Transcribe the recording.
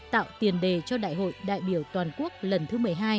tạo tiền đề cho đại hội đại biểu toàn quốc lần thứ một mươi hai